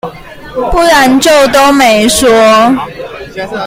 不然就都沒說